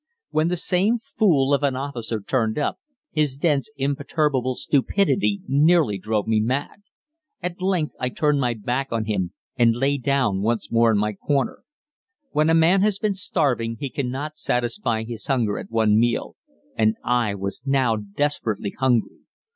When the same fool of an officer turned up, his dense, imperturbable stupidity nearly drove me mad. At length I turned my back on him and lay down once more in my corner. When a man has been starving he cannot satisfy his hunger at one meal, and I was now desperately hungry.